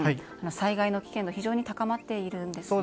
災害の危険度が非常に高まっているんですね。